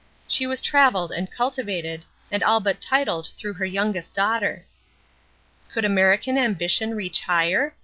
She was traveled and cultivated, and all but titled through her youngest daughter. Could American ambition reach higher?